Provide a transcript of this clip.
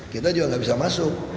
kita juga nggak bisa masuk